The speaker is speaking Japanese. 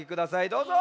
どうぞ。